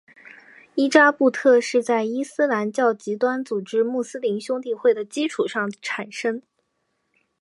伊扎布特是在伊斯兰教极端组织穆斯林兄弟会的基础上产生。